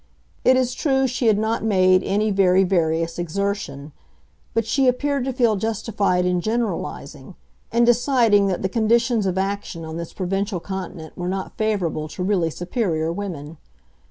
It is true she had not made any very various exertion; but she appeared to feel justified in generalizing—in deciding that the conditions of action on this provincial continent were not favorable to really superior women.